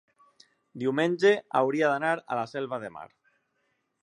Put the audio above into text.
diumenge hauria d'anar a la Selva de Mar.